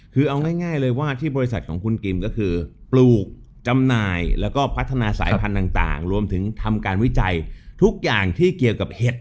คือเอาง่ายเลยว่าที่บริษัทของคุณกิมก็คือปลูกจำหน่ายแล้วก็พัฒนาสายพันธุ์ต่างรวมถึงทำการวิจัยทุกอย่างที่เกี่ยวกับเห็ด